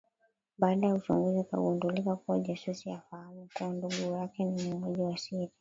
Baada ya uchunguzi ikagundulika kua jasusi hafahamu kua ndugu yake ni muuaji wa siri